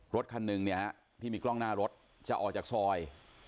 รถคันนึงที่มีกล้องหน้ารถจะออกจากซอย